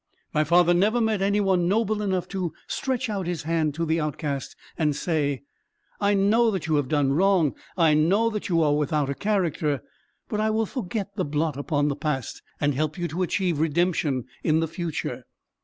My father never met any one noble enough to stretch out his hand to the outcast and say, 'I know that you have done wrong; I know that you are without a character: but I will forget the blot upon the past, and help you to achieve redemption in the future.'